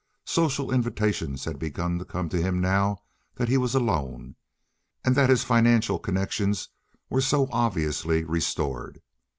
Social invitations had begun to come to him now that he was alone and that his financial connections were so obviously restored.